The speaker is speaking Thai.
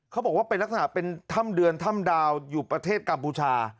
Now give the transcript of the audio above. เขาบอกว่าเป็นลักษณะเป็นถ้ำเดือนถ้ำดาวอยู่ประเทศกัมพูชา